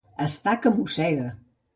Estar que mossega.